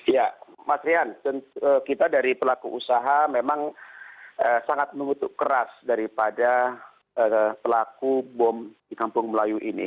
ya mas rian kita dari pelaku usaha memang sangat mengutuk keras daripada pelaku bom di kampung melayu ini